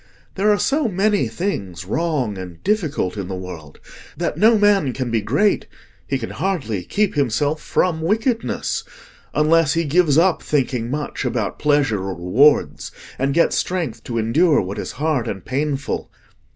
There are so many things wrong and difficult in the world, that no man can be great—he can hardly keep himself from wickedness—unless he gives up thinking much about pleasure or rewards, and gets strength to endure what is hard and painful.